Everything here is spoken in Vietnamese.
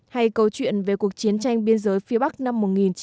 hay câu chuyện về cuộc chiến tranh biên giới phía bắc năm một nghìn chín trăm bảy mươi